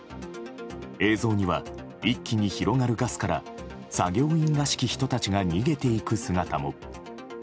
映像には一気に広がるガスから作業員らしき人たちが逃げていく姿も。